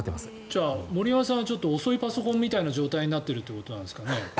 じゃあ森山さんは遅いパソコンみたいな状態になってるということですか。